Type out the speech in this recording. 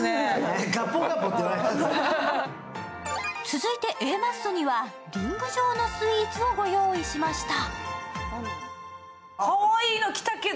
続いてＡマッソにはりんご状のスイーツをご用意しました。